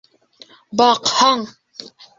Баҡһаң!..